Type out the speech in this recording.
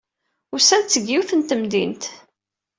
Usan-d seg yiwet n temdint.